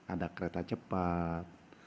ada kereta cepat